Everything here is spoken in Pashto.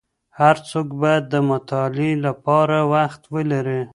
هر څوک باید د مطالعې لپاره وخت ولري.